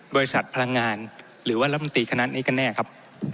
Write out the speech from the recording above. บริษัทพลังงานหรือว่ารัฐมนตรีคณะนี้กันแน่ครับ